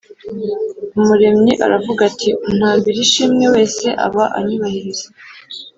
umuremyi aravuga ati: ‘untambira ishimwe wese aba anyubahiriza.